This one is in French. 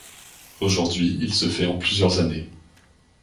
Aujourd'hui il se fait en plusieurs années.